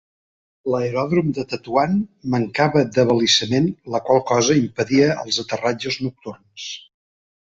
L'aeròdrom de Tetuan mancava d'abalisament, la qual cosa impedia els aterratges nocturns.